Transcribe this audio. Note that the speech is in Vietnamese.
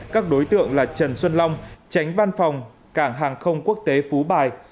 các đối tượng là trần xuân long tránh văn phòng cảng hàng không quốc tế phú bài